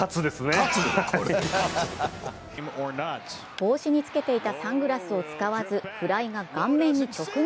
帽子につけていたサングラスを使わずフライが顔面に直撃。